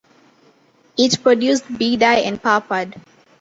It produced beedi and papad.